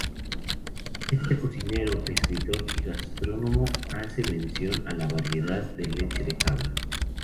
Este cocinero, escritor y gastrónomo hace mención a la variedad de leche de cabra.